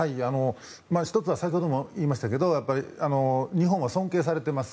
１つは先ほども言いましたが日本は尊敬されています。